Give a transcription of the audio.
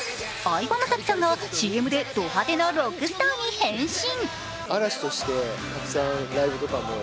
相葉雅紀さんがＣＭでド派手なロックスターに変身。